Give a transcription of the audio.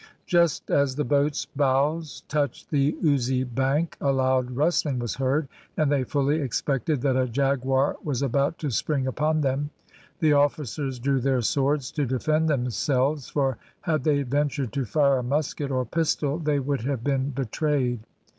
Just as the boat's bows touched the oozy bank a loud rustling was heard, and they fully expected that a jaguar was about to spring upon them. The officers drew their swords to defend themselves, for had they ventured to fire a musket or pistol they would have been betrayed.